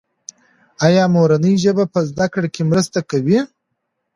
ایا مورنۍ ژبه په زده کړه کې مرسته کوي؟